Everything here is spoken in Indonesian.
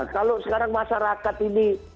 kalau sekarang masyarakat ini